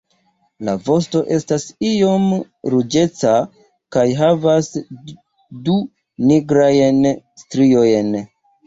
La vosto estas iom ruĝeca kaj havas du nigrajn striojn.